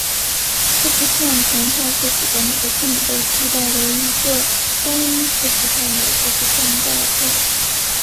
字符串同态是使得每个字母被替代为一个单一字符串的字符串代换。